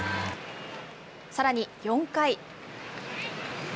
さらに４回。